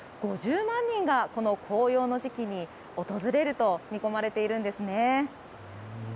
５０万人が紅葉の時期に訪れると見込まれているんですね。